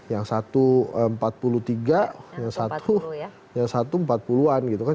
yang satu empat puluh tiga yang satu yang satu empat puluh an gitu kan